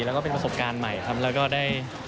แล้วก็เป็นประสบการณ์ใหม่ครับแล้วก็ได้